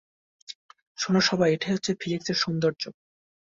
শোনো, সবাই, এটাই হচ্ছে ফিজিক্সের সৌন্দর্য।